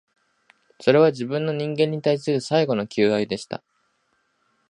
それは、自分の、人間に対する最後の求愛でした